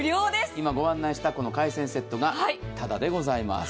今、御案内した海鮮セットがただでございます。